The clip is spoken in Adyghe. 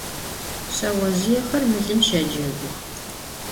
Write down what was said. Şseozjıêxer mılım şecegux.